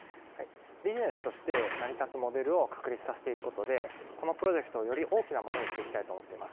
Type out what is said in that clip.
ビジネスとして成り立つモデルを確立させていくことで、このプロジェクトをより大きなものにしていきたいと思っています。